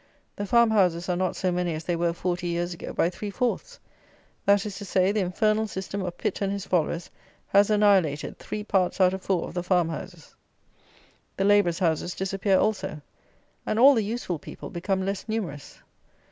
The farmhouses are not so many as they were forty years ago by three fourths. That is to say, the infernal system of Pitt and his followers has annihilated three parts out of four of the farm houses. The labourers' houses disappear also. And all the useful people become less numerous.